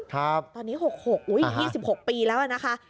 ตอนนี้๒๖ปีแล้วอ่ะนะคะ